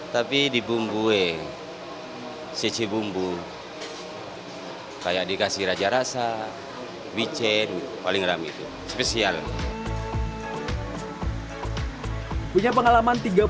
tapi dibumbui cc bumbu kayak dikasih raja rasa wc paling ramai itu spesial punya pengalaman tiga puluh tujuh